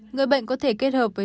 người bệnh có thể kết hợp với